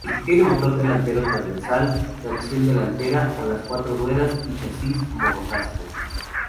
Tiene motor delantero transversal, tracción delantera o a las cuatro ruedas y chasis monocasco.